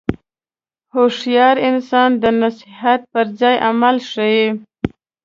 هوښیار انسان د نصیحت پر ځای عمل ښيي.